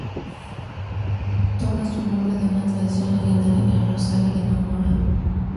Toma su nombre de una tradición legendaria: "el Rosario de la Aurora".